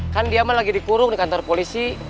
kan dia lagi dikurung di kantor polisi